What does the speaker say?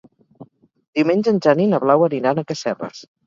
Diumenge en Jan i na Blau aniran a Casserres.